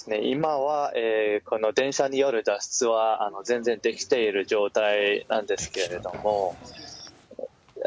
今はこの電車による脱出は全然できている状態なんですけれども。